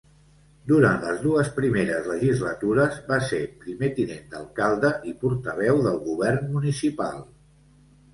Durant les dues primeres legislatures va ser primer tinent d'alcalde i portaveu del govern municipal.